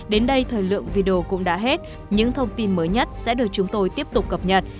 đến đây thời lượng video cũng đã hết những thông tin mới nhất sẽ được chúng tôi tiếp tục cập nhật